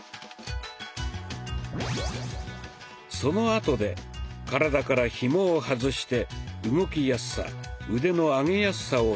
そのあとで体からひもを外して動きやすさ腕の上げやすさを比較します。